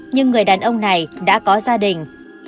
nhưng người đàn ông này đã có gia đình